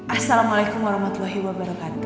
assalamualaikum wr wb